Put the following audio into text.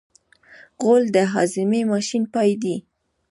غول د هاضمې ماشین پای دی.